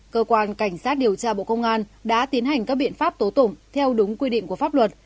cơ quan cảnh sát điều tra bộ công an đã tiến hành các biện pháp tố tụng theo đúng quy định của pháp luật